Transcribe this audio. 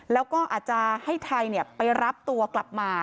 แล้วก็อาจจะให้ไทยไปรับตัวกลับมา